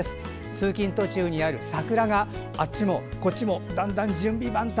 通勤途中にある桜があっちもこっちもだんだん準備万端